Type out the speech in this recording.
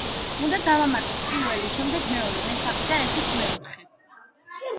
უნდა დავუმატოთ, პირველი, შემდეგ მეორე, მესამე, და ესეც მეოთხე.